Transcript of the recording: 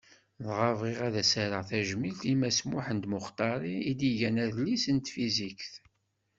Dɣa bɣiɣ ad as-rreɣ tajmilt i Mass Muḥend Muxṭari i d-igan adlis n tfizikt.